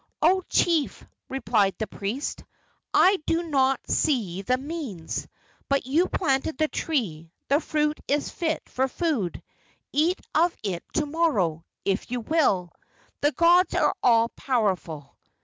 "O chief!" replied the priest, "I do not see the means; but you planted the tree; the fruit is fit for food; eat of it to morrow, if you will. The gods are all powerful!"